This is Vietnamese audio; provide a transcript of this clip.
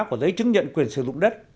của giấy chứng nhận quyền sử dụng đất